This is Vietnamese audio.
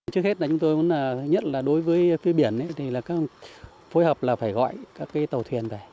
chúng tôi nhất là đối với phía biển phối hợp là phải gọi các tàu thuyền về